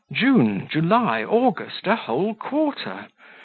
"June, July, August, a whole quarter!"